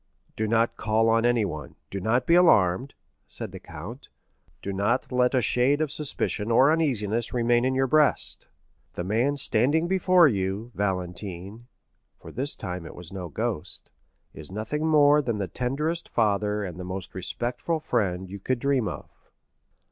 "Do not call anyone—do not be alarmed," said the count; "do not let a shade of suspicion or uneasiness remain in your breast; the man standing before you, Valentine (for this time it is no ghost), is nothing more than the tenderest father and the most respectful friend you could dream of."